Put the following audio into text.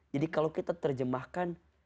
jadi kalau kita terjemahkan